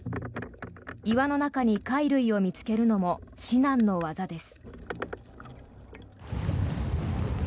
岩の中に貝類を見つけるのも至難の業です。